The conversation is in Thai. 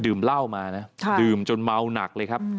ดื่มเหล้ามาน่ะค่ะดื่มจนเมาหนักเลยครับอืม